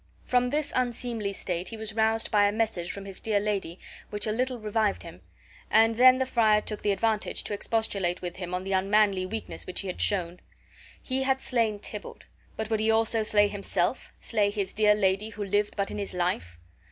From this unseemly state he was roused by a message from his dear lady which a little revived him; and then the friar took the advantage to expostulate with him on the unmanly weakness which he had shown. He had slain Tybalt, but would he also slay himself, slay his dear lady, who lived but in his life?